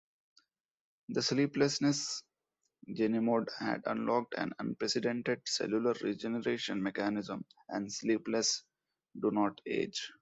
The sleeplessness genemod had unlocked an unprecedented cellular-regeneration mechanism, and Sleepless do not age.